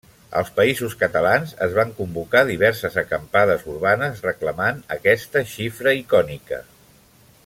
Als països catalans es van convocar diverses acampades urbanes reclamant aquesta xifra icònica.